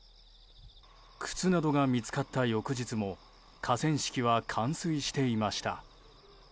靴などが見つかった翌日も河川敷は冠水していました。